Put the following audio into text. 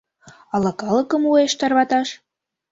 Ала калыкым уэш тарваташ?